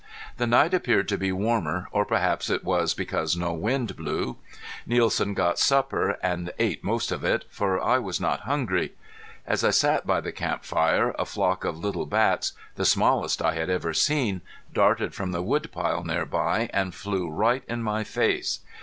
The night appeared to be warmer or perhaps it was because no wind blew. Nielsen got supper, and ate most of it, for I was not hungry. As I sat by the camp fire a flock of little bats, the smallest I had ever seen, darted from the wood pile nearby and flew right in my face.